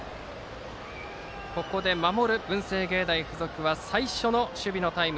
守る文星芸大付属は最初の守備のタイム。